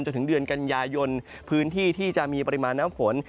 จนถึงเดือนกันยายนพื้นที่ที่จะมีปริมาณน้ำฝน